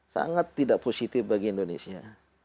sangat tidak positif bagi indonesia